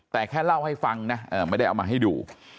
แต่แค่เล่าให้ฟังนะไม่ได้เอามาให้ดู